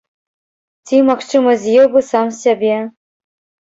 Ці, магчыма, з'еў бы сам сябе.